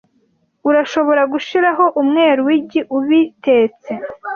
Urashobora gushiraho umweru w'igi ubitetse.